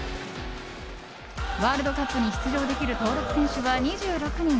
ワールドカップに出場できる登録選手は２６人。